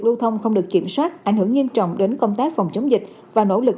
lưu thông không được kiểm soát ảnh hưởng nghiêm trọng đến công tác phòng chống dịch và nỗ lực